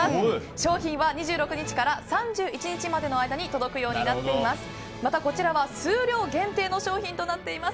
商品は２６日から３０日までの間に届くようになっています。